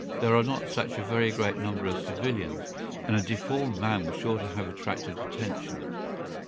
There are not such a very great number of civilians, and a deformed man was sure to have attracted attention.